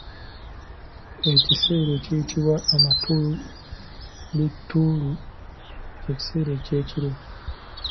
Ekiseera ekiyitibwa Matulutulu ky'ekiseera ekyekiro.